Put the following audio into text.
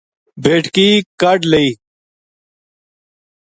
بیٹکی کَڈھ لئی